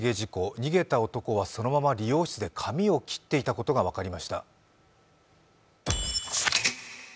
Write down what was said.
逃げた男はそのまま理容室で髪を切っていたことが分かりました。